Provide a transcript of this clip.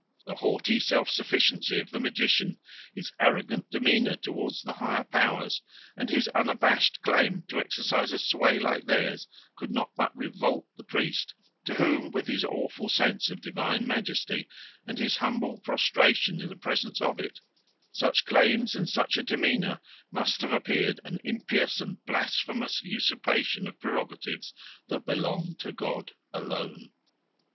The haughty self sufficiency of the magician, his arrogant demeanour towards the higher powers, and his unabashed claim to exercise a sway like theirs could not but revolt the priest, to whom, with his awful sense of the divine majesty, and his humble prostration in presence of it, such claims and such a demeanour must have appeared an impious and blasphemous usurpation of prerogatives that belong to God alone.